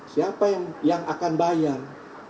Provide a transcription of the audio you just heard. siapa yang akan bayar